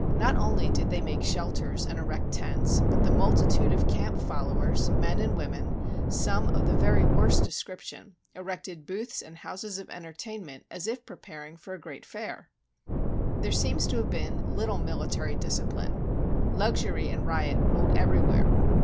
Not only did they make shelters and erect tents, but the multitude of camp followers, men and women, some of the very worst description, erected booths and houses of entertain ment as if preparing for a great fair. There seems to have been little military disci pline. Luxury and riot ruled everywhere.